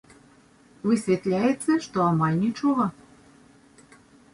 Высвятляецца, што амаль нічога.